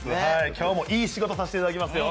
今日もいい仕事、させていただきますよ。